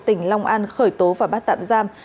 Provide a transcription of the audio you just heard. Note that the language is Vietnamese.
tỉnh long an khởi tố và bắt tạm giam